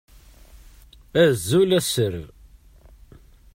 Azul a sser!